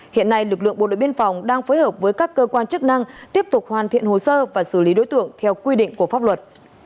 hiện nay lực lượng bộ đội biên phòng đang phối hợp với các cơ quan chức năng tiếp tục hoàn thiện hồ sơ và xử lý đối tượng theo quy định của pháp luật